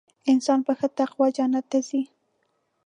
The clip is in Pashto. انسان په ښه تقوا جنت ته ځي .